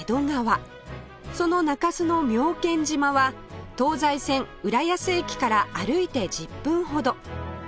その中州の妙見島は東西線浦安駅から歩いて１０分ほど